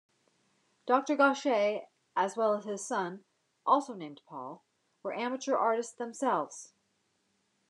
Doctor Gachet, as well as his son, also named Paul, were amateur artists themselves.